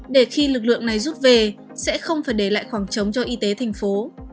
để khi lực lượng này rút về sẽ không phải để lại khoảng trống cho y tế thành phố